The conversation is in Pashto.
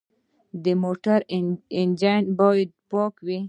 د موټر انجن باید پاک وي.